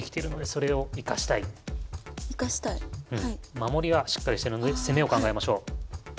守りはしっかりしてるので攻めを考えましょう。